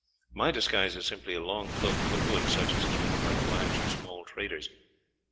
My disguise is simply a long cloak with a hood, such as is worn by the wives of small traders.